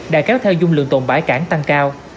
đã kéo theo dung lượng tồn bãi cảng tăng cao